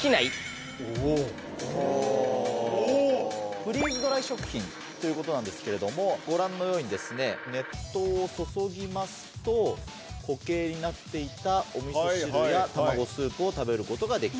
フリーズドライ食品ということなんですけれどもご覧のように熱湯を注ぎますと固形になっていたお味噌汁や卵スープを食べることができる。